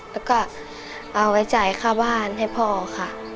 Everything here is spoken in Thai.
แล้วก็เอาไว้จ่ายค่าบ้านให้พ่อค่ะ